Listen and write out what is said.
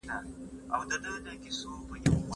پر مځکي باندي د ګلانو یو ښکلی فرش غوړېدلی و.